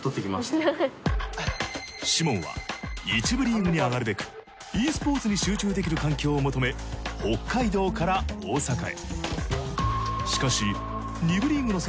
Ｓｈｉｍｏｎは１部リーグに上がるべくｅスポーツに集中できる環境を求め北海道から大阪へ！